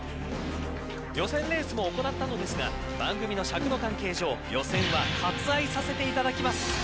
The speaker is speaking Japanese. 予選レースも行ったのですが番組の尺の関係上予選は割愛させていただきます。